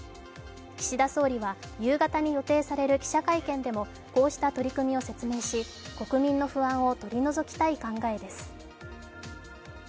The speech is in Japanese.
岸田総理は夕方に予定される記者会見でもこうした取り組みを説明し、国民の不安を取り除きたい考えです。